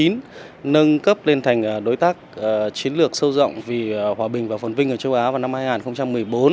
nâng cấp lên thành đối tác chiến lược sâu rộng vì hòa bình và phồn vinh ở châu á vào năm hai nghìn một mươi bốn